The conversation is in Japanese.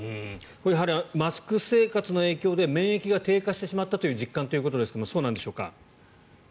やはりマスク生活の影響で免疫が低下してしまったという実感ということですがそうなんでしょうか？